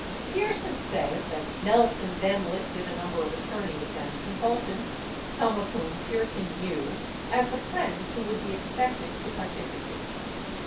5 Pierson says that Nelson then listed a number of attorneys and con sultants, some of whom Pierson knew, as the friends who would be expected to participate.